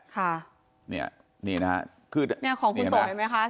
ค่ะนี่นะครับของคุณโตเห็นไหมคะ